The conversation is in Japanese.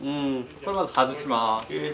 これまず外します。